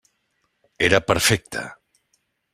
Era perfecte.